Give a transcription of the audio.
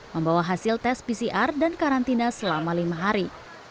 membawa hasil tes pcr dan karantina selama lima hari